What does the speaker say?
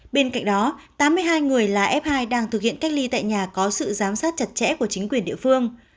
bên cạnh đó tám mươi hai người là f hai đang thực hiện cách ly tại nhà có sự giám sát chặt chẽ của chính quyền địa phương